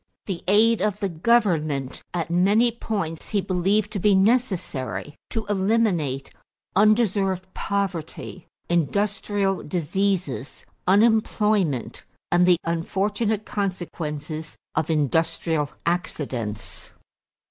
The aid of the government at many points he believed to be necessary to eliminate undeserved poverty, industrial diseases, unemployment, and the unfortunate consequences of industrial accidents.